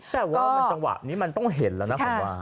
แต่ว่ามันจังหวะนี้มันต้องเห็นแล้วนะผมว่า